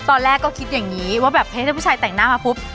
ตอนแรกก็คิดอย่างนี้ว่าแบบเฮ้ยถ้าผู้ชายแต่งหน้ามาปุ๊บ